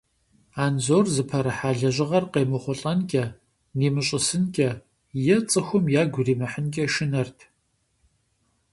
Анзор зыпэрыхьа лэжьыгъэр къемыхъулӀэнкӀэ, нимыщӀысынкӀэ е цӀыхухэм ягу иримыхьынкӀэ шынэрт.